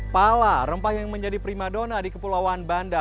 pala rempah yang menjadi prima dona di kepulauan banda